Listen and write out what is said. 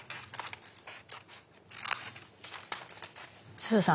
すずさん